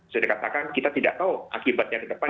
sudah dikatakan kita tidak tahu akibatnya ke depan